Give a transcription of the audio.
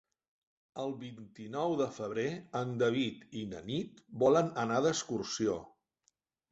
El vint-i-nou de febrer en David i na Nit volen anar d'excursió.